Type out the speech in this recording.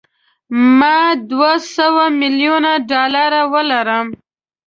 ما دوه سوه میلیونه ډالره ولرم.